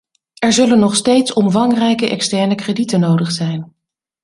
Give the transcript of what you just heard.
Er zullen nog steeds omvangrijke externe kredieten nodig zijn.